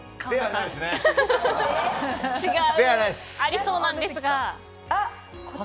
ありそうなんですが。